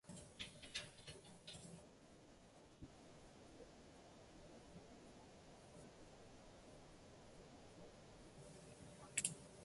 These lanes depart from Wakkanai International Ferry Terminal (also known as Wakkanai Ferry Terminal).